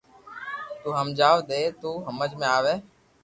تو ھمجاوي ديئي دو تو ھمج مي آوي